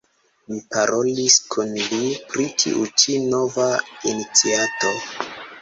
Ni parolis kun li pri tiu ĉi nova iniciato.